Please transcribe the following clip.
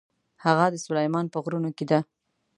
هغه د سلیمان په غرونو کې ده.